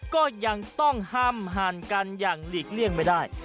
ก็ยังต้องห้ามหั่นกันอย่างหลีกเลี่ยงไม่ได้